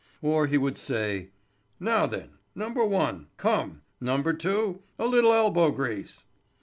Or he would say, "Now, then, number one; come, number two—a little elbow grease."